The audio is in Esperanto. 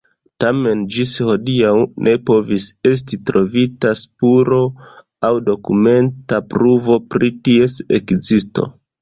Tamen ĝis hodiaŭ ne povis esti trovita spuro aŭ dokumenta pruvo pri ties ekzisto.